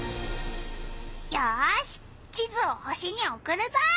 よし地図を星におくるぞ！